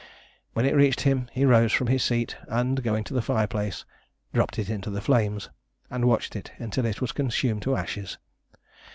When it reached him he rose from his seat, and, going to the fireplace, dropped it into the flames, and watched it until it was consumed to ashes.